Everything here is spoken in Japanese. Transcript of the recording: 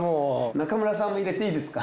中村さんも入れていいですか？